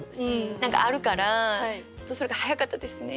何かあるからちょっとそれが早かったですね。